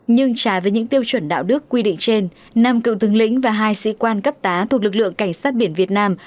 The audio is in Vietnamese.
nhưng trái với những tiêu chuẩn đạo đức quy định trên năm cựu tướng lĩnh và hai sĩ quan cấp tá thuộc lực lượng cảnh sát biển việt nam